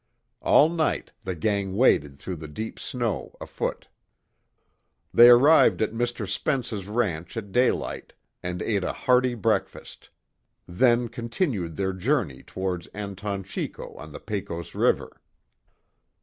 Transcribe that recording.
All night the gang waded through the deep snow, afoot. They arrived at Mr. Spence's ranch at daylight, and ate a hearty breakfast. Then continued their journey towards Anton Chico on the Pecos river.